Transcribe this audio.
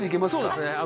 そうですね